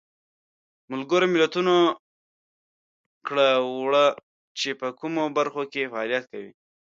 ملګرو ملتونو کړه وړه چې په کومو برخو کې فعالیت کوي.